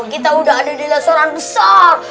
kita udah ada di restoran besar